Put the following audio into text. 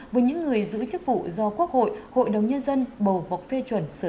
với những người giữ chức vụ do quốc hội hội đồng nhân dân bầu bọc phê chuẩn sửa đổi